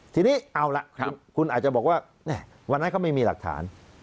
ทีนี้เอาล่ะคุณอาจจะบอกว่าวันนั้นเขาไม่มีหลักฐาน